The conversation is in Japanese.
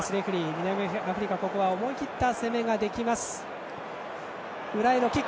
南アフリカ、ここは思い切った攻めができます。